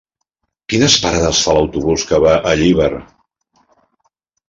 Quines parades fa l'autobús que va a Llíber?